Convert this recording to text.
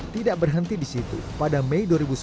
tidak berhenti di situ pada mei dua ribu sebelas